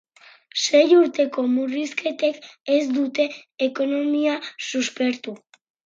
Sei urteko murrizketek ez dute ekonomia suspertu.